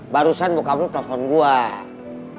barusan bokap lo telepon gue